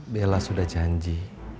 bella sudah janji